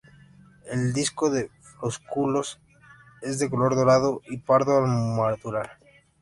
El disco de flósculos es de color dorado y pardo al madurar.